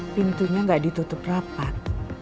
pintunya gak ditutup rapat